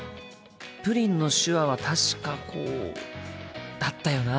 プリンの手話は確かこうだったよな。